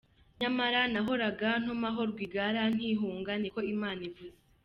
Nyamara nahora ga ntuma ho Rwigara nti hunga niko Imana ivuze.